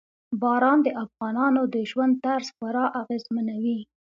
باران د افغانانو د ژوند طرز خورا اغېزمنوي.